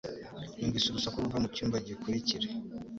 Numvise urusaku ruva mucyumba gikurikira.